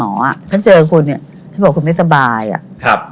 มันเจอคุณคุณบอกไม่สบายครับ